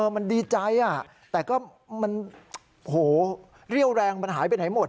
มันดีใจแต่ก็มันเรี่ยวแรงมันหายไปไหนหมด